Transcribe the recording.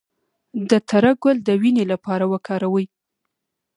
د تره ګل د وینې لپاره وکاروئ